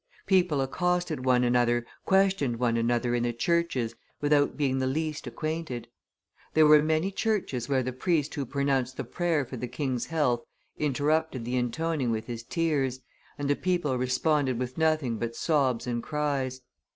People accosted one another, questioned one another in the churches, without being the least acquainted. There were many churches where the priest who pronounced the prayer for the king's health interrupted the intoning with his tears, and the people responded with nothing but sobs and cries.